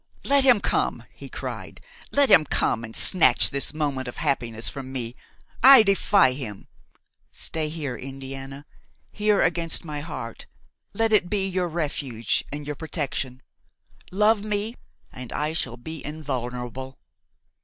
"Let him come!" he cried; "let him come and snatch this moment of happiness from me! I defy him! Stay here, Indiana–here against my heart; let it be your refuge and your protection. Love me and I shall be invulnerable.